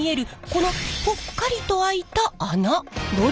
このぽっかりと開いた穴。